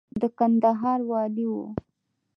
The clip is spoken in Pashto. د کندهار والي و.